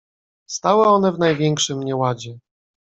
"Stały one w największym nieładzie."